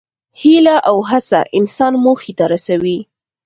هیله او هڅه انسان موخې ته رسوي.